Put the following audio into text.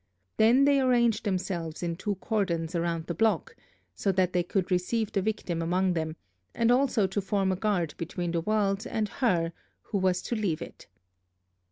Then they arranged themselves in two cordons around the block, so that they could receive the victim among them, and also to form a guard between the world and her who was to leave it.